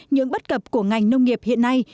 những bất cập của ngành nông nghiệp hiện nay